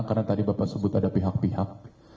karena tadi bapak sebut ada pihak pihak